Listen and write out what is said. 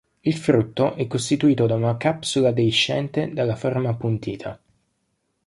Il frutto è costituito da una capsula deiscente dalla forma appuntita.